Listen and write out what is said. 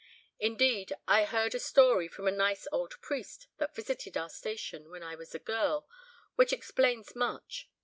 Indeed I heard a story from a nice old priest, that visited our station, when I was a girl, which explains much.